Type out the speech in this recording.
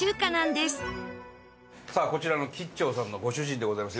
さあこちらの吉兆さんのご主人でございます。